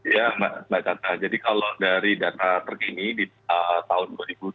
ya mbak cata jadi kalau dari data terkini di tahun dua ribu dua puluh